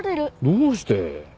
どうして？